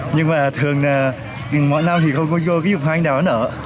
nhưng mà thường là mỗi năm thì không có vô cái dụng hoa anh đào nó nở